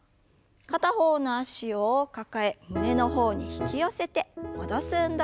片方の脚を抱え胸の方に引き寄せて戻す運動です。